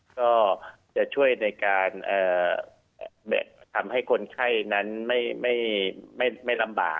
ก็จะช่วยในการทำให้คนไข้นั้นไม่ลำบาก